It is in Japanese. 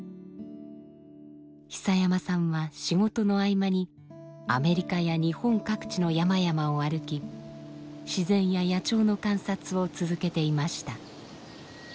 久山さんは仕事の合間にアメリカや日本各地の山々を歩き自然や野鳥の観察を続けていました。